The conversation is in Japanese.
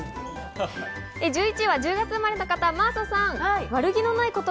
１１位は１０月生まれの方、真麻さん。